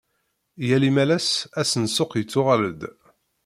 Yal imalas, ass n ssuq yettuɣal-d.